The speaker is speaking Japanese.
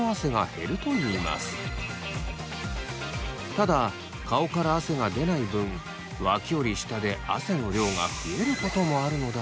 ただ顔から汗が出ない分脇より下で汗の量が増えることもあるのだとか。